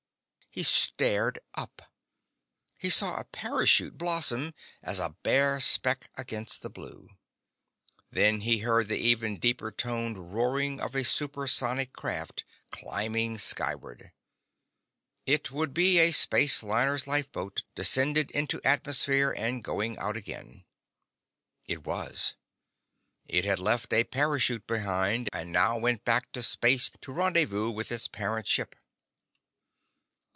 He stared up. He saw a parachute blossom as a bare speck against the blue. Then he heard the even deeper toned roaring of a supersonic craft climbing skyward. It could be a spaceliner's lifeboat, descended into atmosphere and going out again. It was. It had left a parachute behind, and now went back to space to rendezvous with its parent ship.